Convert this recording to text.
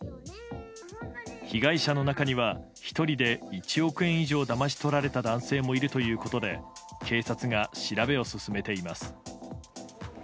被害者の中には、１人で１億円以上だまし取られた男性もいるということで、警察が調べを進めています。